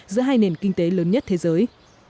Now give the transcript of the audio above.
giữa hai nền kinh tế lớn nhất thế giới